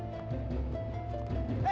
dia ada di kamar lagi bapak